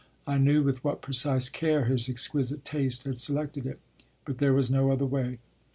I knew with what precise care his exquisite taste had se lected it. But there was no other way.